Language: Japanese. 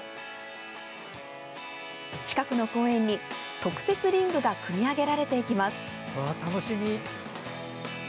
近くの公園に特設リングが組み上げられていきます。